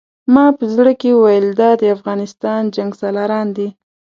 ما په زړه کې ویل دا د افغانستان جنګسالاران دي.